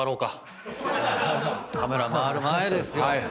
カメラ回る前ですよ。